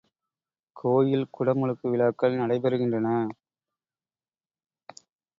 கோயில் குடமுழுக்கு விழாக்கள் நடைபெறுகின்றன.